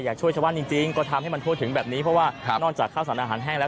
อยากช่วยชาวบ้านจริงจริงก็ทำให้มันทั่วถึงแบบนี้เพราะว่านอกจากข้าวสารอาหารแห้งแล้ว